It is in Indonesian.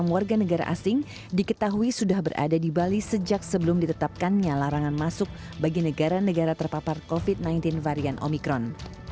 enam warga negara asing diketahui sudah berada di bali sejak sebelum ditetapkannya larangan masuk bagi negara negara terpapar covid sembilan belas varian omikron